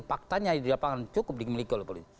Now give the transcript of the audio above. faktanya diapakan cukup dimiliki oleh polisi